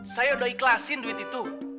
saya udah ikhlasin duit itu